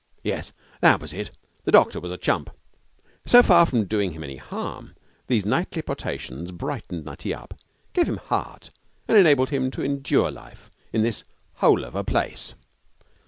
Yes, that was it, the doctor was a chump. So far from doing him any harm, these nightly potations brightened Nutty up, gave him heart, and enabled him to endure life in this hole of a place.